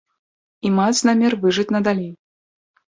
І маюць намер выжыць надалей.